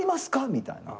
みたいな。